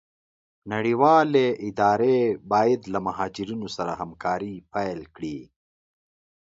نړيوالي اداري بايد له مهاجرينو سره همکاري پيل کړي.